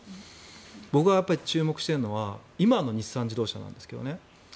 僕が注目しているのは今の日産自動車なんですけどね。